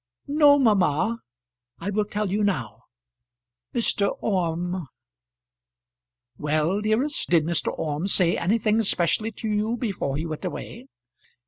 "No, mamma; I will tell you now. Mr. Orme " "Well, dearest. Did Mr. Orme say anything specially to you before he went away?"